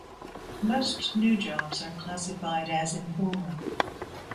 Most new jobs are classified as informal.